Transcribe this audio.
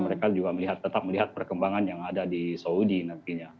mereka juga tetap melihat perkembangan yang ada di saudi nantinya